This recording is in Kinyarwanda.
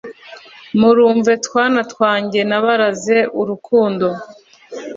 Murumve twana twange nabaraze urukundo